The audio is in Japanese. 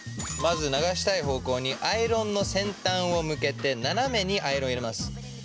まず流したい方向にアイロンの先端を向けてナナメにアイロンを入れます。